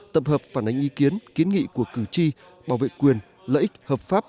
tập hợp phản ánh ý kiến kiến nghị của cử tri bảo vệ quyền lợi ích hợp pháp